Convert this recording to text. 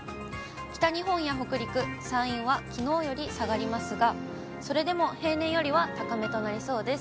北日本や北陸、山陰はきのうより下がりますが、それでも平年よりは高めとなりそうです。